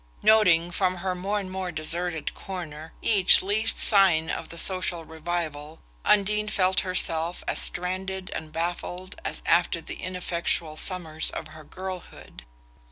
Noting, from her more and more deserted corner, each least sign of the social revival, Undine felt herself as stranded and baffled as after the ineffectual summers of her girlhood.